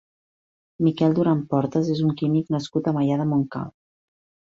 Miquel Duran Portas és un químic nascut a Maià de Montcal.